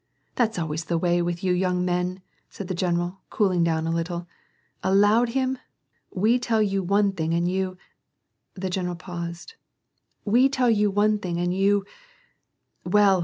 That's always the way with you young men, " said the general, cooling down a little. "Allowed him? We tell you one thing and you" — The general paused. " We tell you one thing and you — well